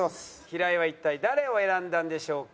平井は一体誰を選んだんでしょうか？